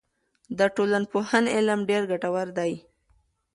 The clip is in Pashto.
د ټولنپوهنې علم ډېر ګټور دی.